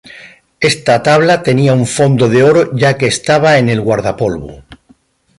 Esta tabla tenía un fondo de oro ya que estaba en el guardapolvo.